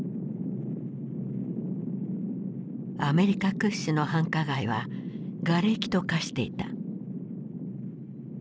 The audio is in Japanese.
アメリカ屈指の繁華街はがれきと化していた。